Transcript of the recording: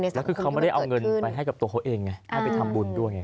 แล้วคือเขาไม่ได้เอาเงินไปให้กับตัวเขาเองไงให้ไปทำบุญด้วยไง